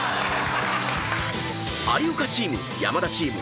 ［有岡チーム山田チーム